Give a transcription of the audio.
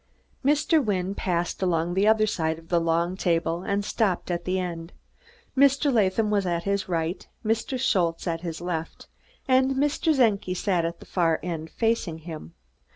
Mr. Wynne passed on along the other side of the long table, and stopped at the end. Mr. Latham was at his right, Mr. Schultze at his left, and Mr. Czenki sat at the far end, facing him.